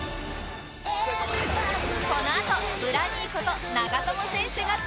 このあとブラ兄こと長友選手が登場